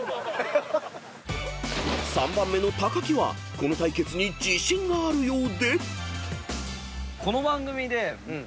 ［３番目の木はこの対決に自信があるようで］